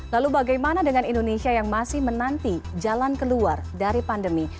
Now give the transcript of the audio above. lalu bagaimana dengan indonesia yang masih menanti jalan keluar dari pandemi